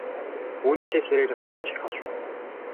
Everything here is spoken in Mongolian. Үүнийхээ хэрээр мөнгө ч их олсон.